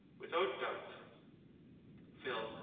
Without doubt. PHIL.